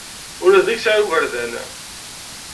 Ula d nekk sɛiɣ igerdan.